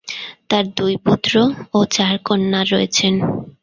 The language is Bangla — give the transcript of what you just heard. তাঁর দুই পুত্র ও চার কন্যা রয়েছেন।